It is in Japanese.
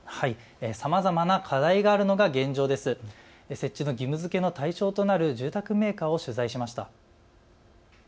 さまざまな課題があるのが現状です、設置の義務づけの対象となる住宅メーカーを取材しました。